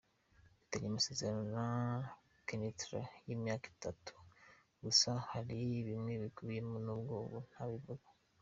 Mfitanye amasezerano na Kénitra y’imyaka itatu, gusa hari bimwe bikubiyemo nubwo ubu ntabivuga.